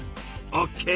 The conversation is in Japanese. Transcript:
オッケー！